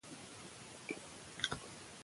سلیمان غر د افغانستان په هره برخه کې موندل کېږي.